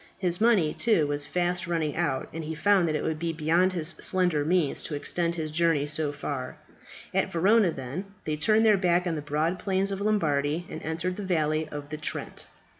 His money, too, was fast running out, and he found that it would be beyond his slender means to extend his journey so far. At Verona, then, they turned their back on the broad plains of Lombardy, and entered the valley of the Trent.